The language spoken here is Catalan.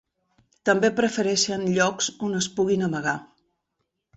També prefereixen llocs on es puguin amagar.